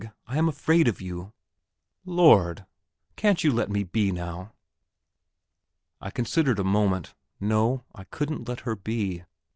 I am afraid of you! Lord, can't you let me be now!" I considered a moment. No, I couldn't let her be....